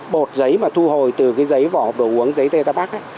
bột giấy mà thu hồi từ cái giấy vỏ hộp đồ uống giấy tê táp ác ấy